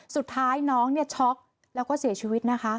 สุดท้ายน้องเนี่ยช็อกแล้วก็เสียชีวิตนะคะ